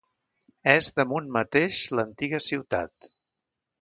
És damunt mateix l'antiga ciutat.